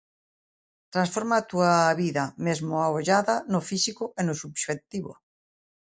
Transforma a túa vida, mesmo a ollada, no físico e no subxectivo.